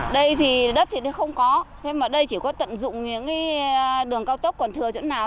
đây thì đất thì không có thế mà đây chỉ có tận dụng những đường cao tốc còn thừa chỗ nào